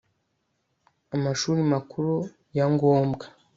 amashuri makuru ya ngombwa